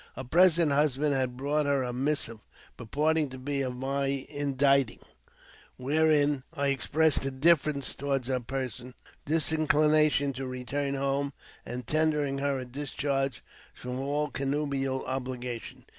Her present husband had brought her a missive, purporting to be of my inditing, wherein I expressed indifference towards her person, disinchnation to return home, and tendering her a discharge from all connubial obligation.